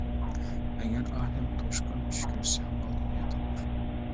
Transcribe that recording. ئەگەر ئادەم توشقان چۈش كۆرسە، مال-دۇنيا تاپار.